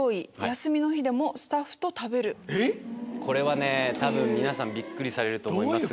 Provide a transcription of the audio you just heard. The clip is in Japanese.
これはね皆さんビックリされると思います。